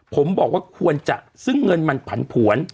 ผมบอกว่าควรจะซึ่งเงินมันผันผวน